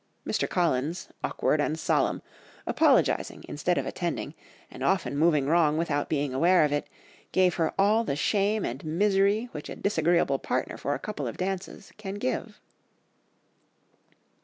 Mr. Collins, awkward and solemn, apologising instead of attending, and often moving wrong without being aware of it, gave her all the shame and misery which a disagreeable partner for a couple of dances can give."